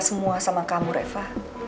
semua sama kamu reva